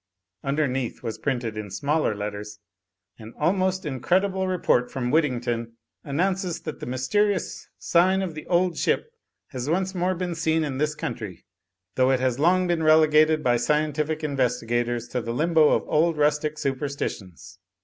Underneath was printed, in smaller letters: "An almost incredible report from Wyddington announces that the mysterious 'Sign of the Old Ship' has once more been seen in this country ; though it has long been relegated by scientific investigators to the limbo of old rustic super stitions.